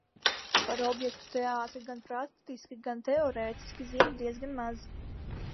Par objektu teātri gan praktiski, gan teorētiski zinu diezgan maz.